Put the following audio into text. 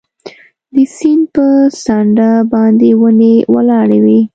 د سیند پر څنډه باندې ونې ولاړې وې.